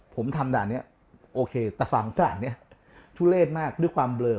ผมทำด่านนี้โอเคแต่ฝั่งด่านนี้ทุเลศมากด้วยความเบลอ